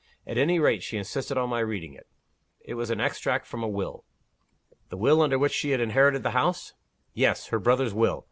At any rate, she insisted on my reading it. It was an extract from a will." "The will under which she had inherited the house?" "Yes. Her brother's will.